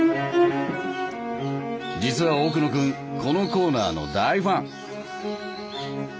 実は奥野君このコーナーの大ファン！